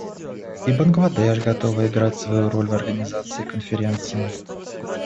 И Бангладеш готово играть свою роль в активизации Конференции.